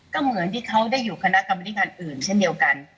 ก็เหมือนที่เขาได้อยู่คณะกรรมนิการอื่นเช่นเดียวกัน